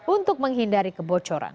untuk menghindari kebocoran